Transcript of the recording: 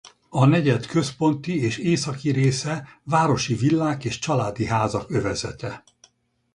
A negyed központi és északi része városi villák és családi házak övezete.